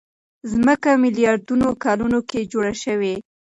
ځمکه ميلياردونو کلونو کې جوړه شوې.